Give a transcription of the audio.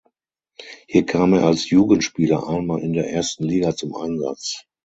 Hier kam er als Jugendspieler einmal in der ersten Liga zum Einsatz.